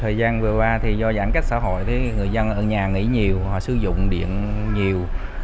thời gian vừa qua thì do giãn cách xã hội người dân ở nhà nghỉ nhiều họ sử dụng điện nhiều